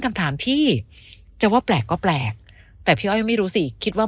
คำถามพี่จะว่าแปลกก็แปลกแต่พี่อ้อยไม่รู้สิคิดว่า